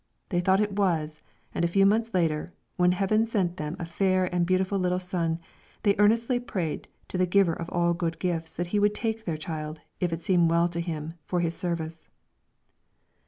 They thought it was, and a few months later, when heaven sent them a fair and beautiful little son, they earnestly prayed to the Giver of all good gifts that He would take the child, if it seemed well to Him, for His service.